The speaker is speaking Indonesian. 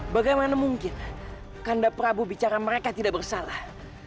bagaimana mungkin karena prabu bicara mereka tidak bersalah